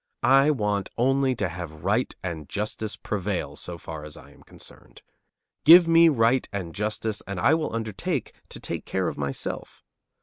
I want only to have right and justice prevail, so far as I am concerned. Give me right and justice and I will undertake to take care of myself.